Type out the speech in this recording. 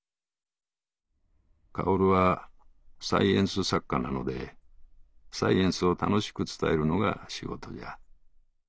薫はサイエンス作家なのでサイエンスを楽しく伝えるのが仕事じゃ」。